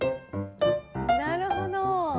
なるほど。